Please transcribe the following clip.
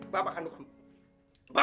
bapak gak suka sama raka